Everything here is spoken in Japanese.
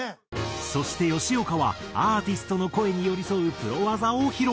そして吉岡はアーティストの声に寄り添うプロ技を披露。